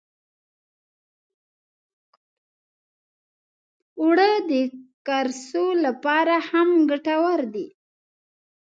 اوړه د قرصو لپاره هم ګټور دي